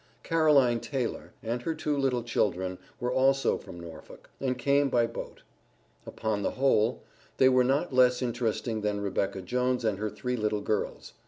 Caroline Taylor, and her two little children, were also from Norfolk, and came by boat. Upon the whole, they were not less interesting than Rebecca Jones and her three little girls.